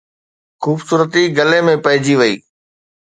خوبصورتي گلي ۾ پئجي وئي